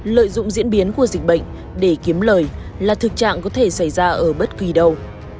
lợi dụng diễn biến của dịch bệnh để kiếm lời là thực trạng có thể xảy ra ở bất kỳ đâu